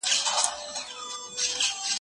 زه کولای سم انځورونه رسم کړم